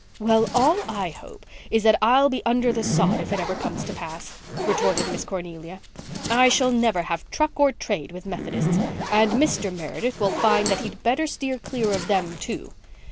"Well, all I hope is that I'll be under the sod if that ever comes to pass," retorted Miss Cornelia. "I shall never have truck or trade with Methodists, and Mr. Meredith will find that he'd better steer clear of them, too.